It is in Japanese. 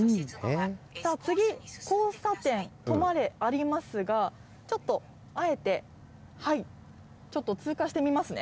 次、交差点、止まれありますが、ちょっとあえて、ちょっと通過してみますね。